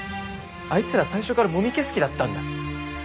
あいつら最初からもみ消す気だったんだ。